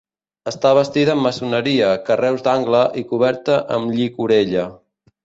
Està bastida amb maçoneria, carreus d'angle i coberta amb llicorella.